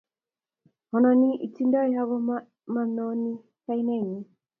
ononi itondonyin ako monooni kainenyin